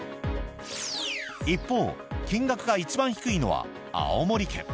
一方、金額が一番低いのは青森県。